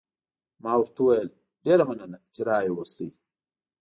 ما ورته وویل: ډېره مننه، چې را يې وست.